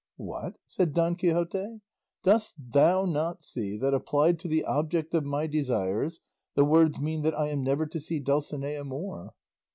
"What!" said Don Quixote, "dost thou not see that, applied to the object of my desires, the words mean that I am never to see Dulcinea more?"